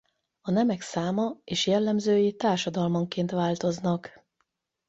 A nemek száma és jellemzői társadalmanként változnak.